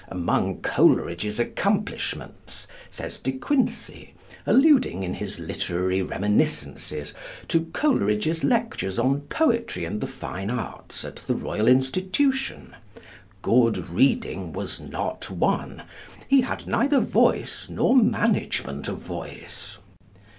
'Amongst Coleridge's accomplishments,' says De Quincey, alluding, in his 'Literary Reminiscences' to Coleridge's lectures on Poetry and the Fine Arts, at the Royal Institution, 'good reading was not one; he had neither voice, nor management of voice.'